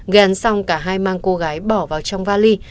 gàn xong cả hai mang cô gái bỏ vào trong vali